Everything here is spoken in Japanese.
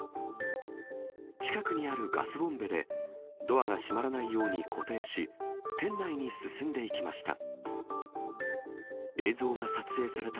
近くにあるガスボンベでドアが閉まらないように固定し、店内に進んでいきました。